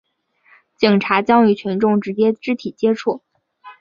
警察将与群众直接肢体接触